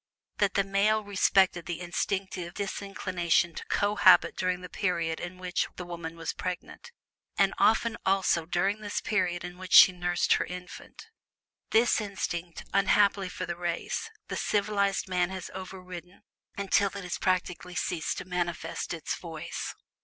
that the male respected the instinctive disinclination to cohabit during the period in which the woman was pregnant, and often also during the period in which she nursed her infant. This instinct, unhappily for the race, the "civilized" man has overridden until it has practically ceased to manifest its voice.